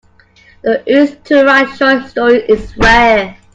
The urge to write short stories is rare.